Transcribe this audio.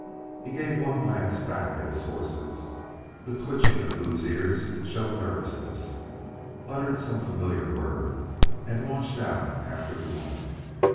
He gave one glance back at his horses, the twitching of whose ears showed nervousness, uttered some familiar word and launched out after the woman.